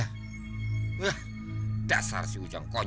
nah dasar si ujang konyol